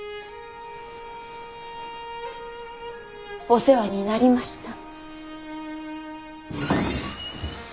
お世話になりました。